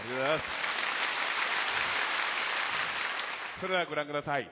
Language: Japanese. それではご覧ください